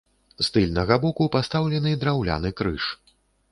З тыльнага боку пастаўлены драўляны крыж.